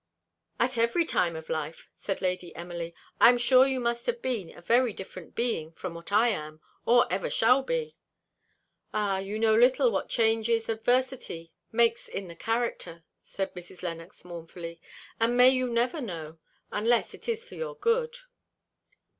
"At every time of life," said Lady Emily, "I am sure you must have been a very different being from what I am, or ever shall be." "Ah! you little know what changes adversity makes in the character," said Mrs. Lennox mournfully; "and may you never know unless it is for your good."